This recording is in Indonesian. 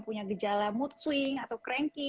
punya gejala mood swing atau krankie